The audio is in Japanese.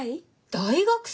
大学生？